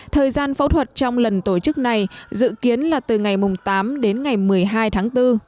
thời gian phẫu thuật trong lần tổ chức này dự kiến là từ ngày tám đến ngày một mươi hai tháng bốn